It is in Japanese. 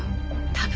多分。